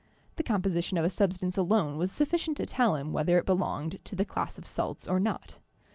The composition of a substance alone was sufficient to tell him whether it belonged to the class of salts or not.